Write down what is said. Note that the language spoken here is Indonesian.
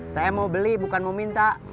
saya mau beli bukan mau minta